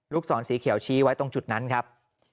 ศรสีเขียวชี้ไว้ตรงจุดนั้นครับ